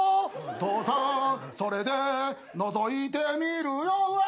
「父さんそれでのぞいてみるようわ」